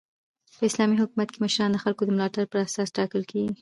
په اسلامي حکومت کښي مشران د خلکو د ملاتړ پر اساس ټاکل کیږي.